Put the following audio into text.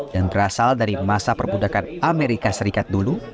yang berasal dari masa perbudakan amerika serikat dulu